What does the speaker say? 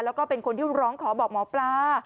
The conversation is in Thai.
แล้วก็เป็นคนที่ร้องขอบอกหมอปลา